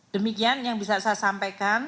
demikian yang bisa saya sampaikan